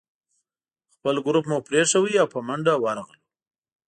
خپل ګروپ مو پرېښود او په منډه ورغلو.